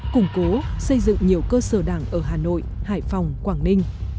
củng cố xây dựng nhiều cơ sở đảng ở hà nội hải phòng quảng ninh